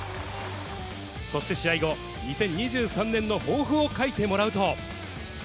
そして試合後、２０２３年の抱負を書いてもらうと。